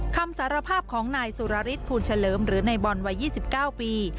คำสารภาพของนายสุรฤทธภูลเฉลิมหรือในบอลวัย๒๙ปี